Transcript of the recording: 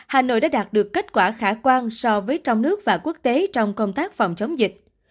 hà nội đã đạt được kết quả khả quan so với trong nước và quốc tế trong công tác phòng chống dịch